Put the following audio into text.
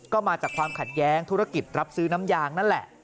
ก็มาจากความขัดแย้งธุรกิจรับซื้อน้ำยางนั่นแหละ